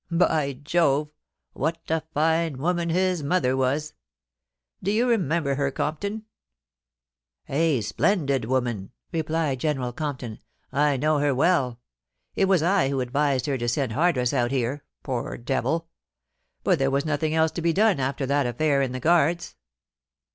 By Jove ! what a fine woman his mother was ! Do you remem ber her, Compton ?A splendid woman,' replied General Compton. * I know her well. It was I who advised her to send Hardress out here — poor devil ! But there was nothing else to be dene after that affair in the Guards.'